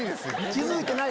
気付いてない？